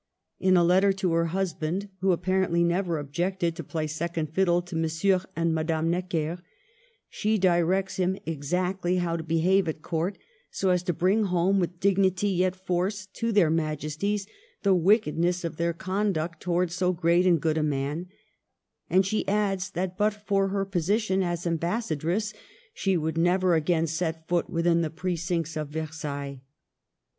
In a letter to her husband (who apparently never objected to play second fiddle to M. and Madame Necker) she directs him exactly how to behave at Court, so as to bring home with dig nity, yet force, to their Majesties the wickedness of their conduct towards so great and good a man ; and she adds that but for her position as Am bassadress she would never again set foot within the precincts of Versailles.